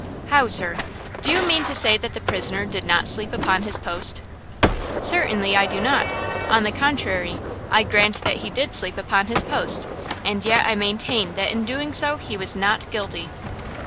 "How, sir, do you mean to say that the prisoner did not sleep upon his post?" "Certainly I do not; on the contrary, I grant that he did sleep upon his post, and yet I maintain that in doing so he was not guilty!"